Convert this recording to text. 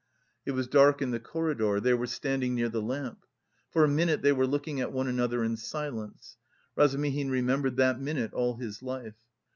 It was dark in the corridor, they were standing near the lamp. For a minute they were looking at one another in silence. Razumihin remembered that minute all his life.